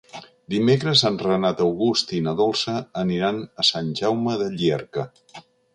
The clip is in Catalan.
Dimecres en Renat August i na Dolça aniran a Sant Jaume de Llierca.